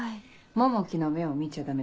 桃木の目を見ちゃダメ。